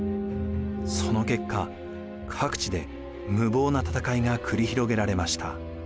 その結果各地で無謀な戦いが繰り広げられました。